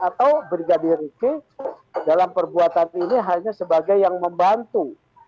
atau brigadir riki dalam perbuatan ini hanya sebagai yang membantu